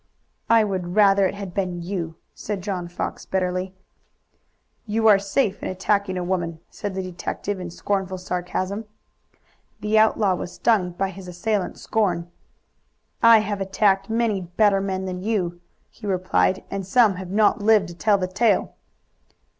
"I would rather it had been you!" said John Fox bitterly. "You are safe in attacking a woman," said the detective in scornful sarcasm. The outlaw was stung by his assailant's scorn. "I have attacked many better men than you," he replied, "and some have not lived to tell the tale!"